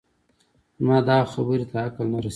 زما دغه خبرې ته عقل نه رسېږي